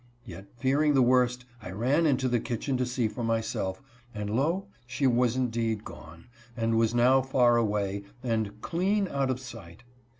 Yet, fearing the worst, I ran into the kitchen to see for myself, and lo ! she was indeed gone, and was now far away, and "clean" out of sight.